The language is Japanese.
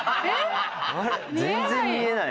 ・全然見えない・